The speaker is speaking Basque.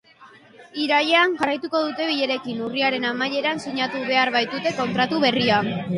Irailean jarraituko dute bilerekin, urriaren amaieran sinatu behar baitute kontratu berria.